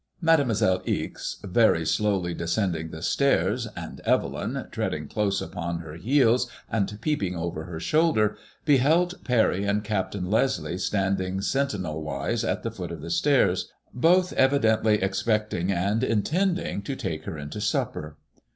Mademoiselle Ixe very slowly descended the stairs, and Evelyn, treading close upon her heels, and peeping over her shoulder, beheld Parry and Captain Leslie standing sentinel wise at the foot of the stairs, both evidently expecting and intending to take her into supper.